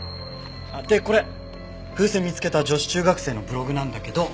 でこれ風船を見つけた女子中学生のブログなんだけど。